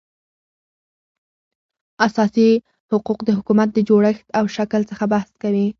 اساسي حقوق د حکومت د جوړښت او شکل څخه بحث کوي